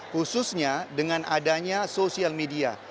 khususnya dengan adanya sosial media